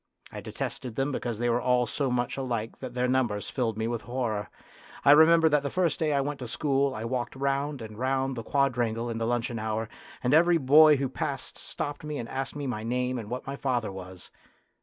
I detested them because they were all so much alike that their numbers filled me with horror. I remember that the first day I went to school I walked round and round the quadrangle in the luncheon hour, and every boy who passed stopped me and asked me my name and what my father was.